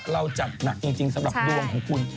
เราจัดหนักจริงสำหรับดวงของคุณ